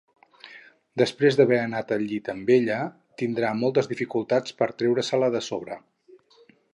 Després d'haver anat al llit amb ella, tindrà moltes dificultats per treure-se-la de sobre.